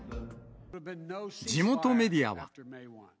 地元メディアは。